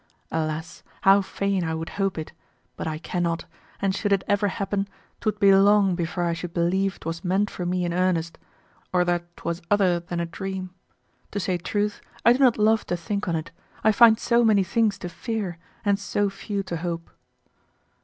Alas! how fain I would hope it, but I cannot, and should it ever happen, 'twould be long before I should believe 'twas meant for me in earnest, or that 'twas other than a dream. To say truth, I do not love to think on't, I find so many things to fear and so few to hope.